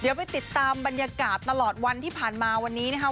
เดี๋ยวไปติดตามบรรยากาศตลอดวันที่ผ่านมาวันนี้นะครับ